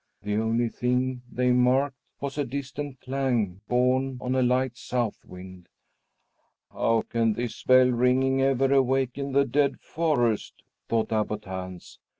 The only thing they marked was a distant clang borne on a light south wind. "How can this bell ringing ever awaken the dead forest?" thought Abbot Hans.